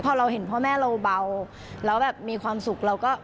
พอเราเห็นพ่อแม่เราเบาแล้วแบบมีความสุขเราก็